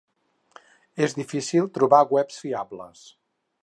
És difícil trobar webs fiables.